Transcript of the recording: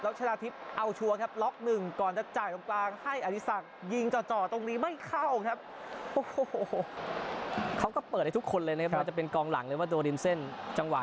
แล้วชนะทิพย์เอาชั้วครับล๊อคหนึ่ง